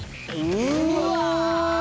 うわ！